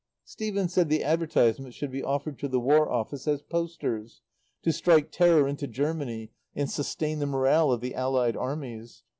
Stephen said the advertisements should be offered to the War Office as posters, to strike terror into Germany and sustain the morale of the Allied Armies.